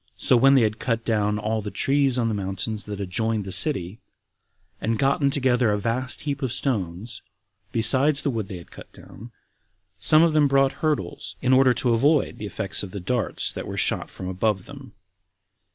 So when they had cut down all the trees on the mountains that adjoined to the city, and had gotten together a vast heap of stones, besides the wood they had cut down, some of them brought hurdles, in order to avoid the effects of the darts that were shot from above them.